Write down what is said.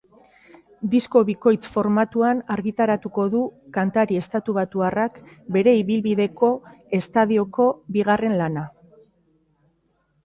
Disko bikoitz formatuan argitaratuko du kantari estatubatuarrak bere ibilbideko estudioko bigarren lana.